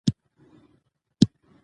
د ماراتون منډهوهونکي ورو فایبرونه لري.